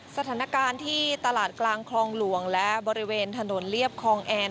สถานการณ์ที่ตลาดกลางคลองหลวงและบริเวณถนนเรียบคลองแอน